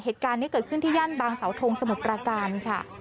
เหตุการณ์นี้เกิดขึ้นที่ย่านบางเสาทงสมุทรประการค่ะ